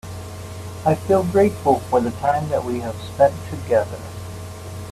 I feel grateful for the time that we have spend together.